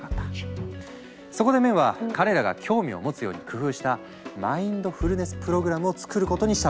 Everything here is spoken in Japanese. そこでメンは彼らが興味をもつように工夫したマインドフルネス・プログラムを作ることにしたの。